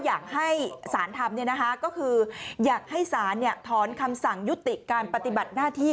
อยากให้สารทำก็คืออยากให้ศาลถอนคำสั่งยุติการปฏิบัติหน้าที่